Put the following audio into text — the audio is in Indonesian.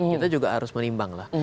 kita juga harus menimbang lah